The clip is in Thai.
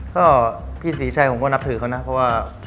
ก็พี่ศรีชัยผมก็นับถือเขานะเพราะว่า